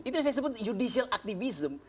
itu yang saya sebut judicial activism